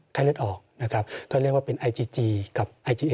ไข้เลือดออกนะครับก็เรียกว่าเป็นครับ